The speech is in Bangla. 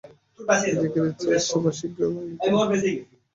আজিকার এই চায়ের সভা শীঘ্র ভাঙিত না।